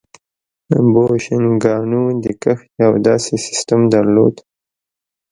بوشنګانو د کښت یو داسې سیستم درلود